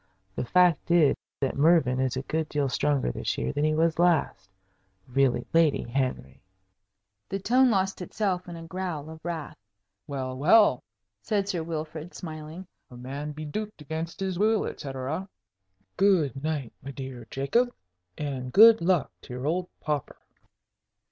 The fact is that Mervyn is a good deal stronger this year than he was last. Really, Lady Henry " The tone lost itself in a growl of wrath. "Well, well," said Sir Wilfrid, smiling, "'A man beduked against his will,' etcetera. Good night, my dear Jacob, and good luck to your old pauper."